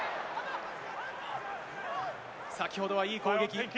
先ほどはいい攻撃。